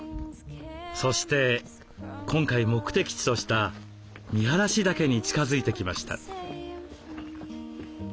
そして今回目的地とした見晴岳に近づいてきました。